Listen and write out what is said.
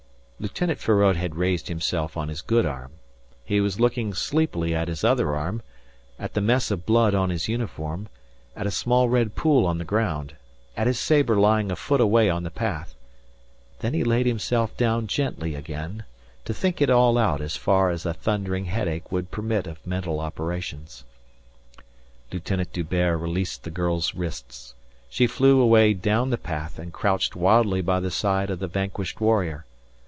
Lieutenant Feraud had raised himself on his good arm. He was looking sleepily at his other arm, at the mess of blood on his uniform, at a small red pool on the ground, at his sabre lying a foot away on the path. Then he laid himself down gently again to think it all out as far as a thundering headache would permit of mental operations. Lieutenant D'Hubert released the girl's wrists. She flew away down the path and crouched wildly by the side of the vanquished warrior.